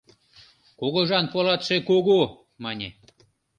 «Кугыжан полатше кугу» мане...